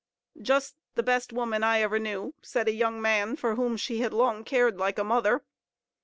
"Just the best woman I ever knew," said a young man for whom she had long cared like a mother.